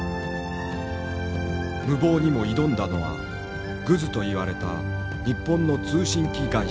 無謀にも挑んだのはグズといわれた日本の通信機会社。